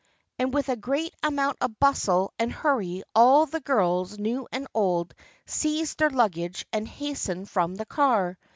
" And with a great amount of bustle and hurry all the girls, new and old, seized their lug gage and hastened from the car.